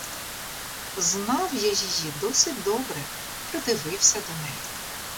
Знав я її досить добре, придивився до неї.